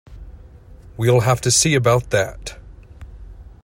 We'll have to see about that.